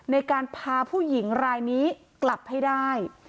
ในการพาผู้หญิงรายนี้กลับให้ได้